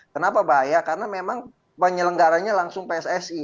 kenapa bahaya karena memang penyelenggaranya langsung pssi